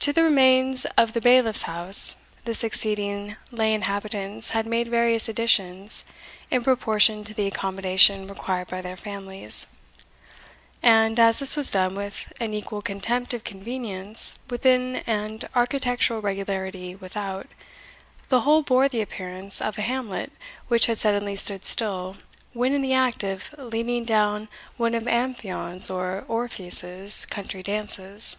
To the remains of the bailiff's house, the succeeding lay inhabitants had made various additions in proportion to the accommodation required by their families; and, as this was done with an equal contempt of convenience within and architectural regularity without, the whole bore the appearance of a hamlet which had suddenly stood still when in the act of leading down one of Amphion's, or Orpheus's, country dances.